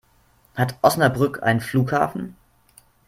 Hat Osnabrück einen Flughafen?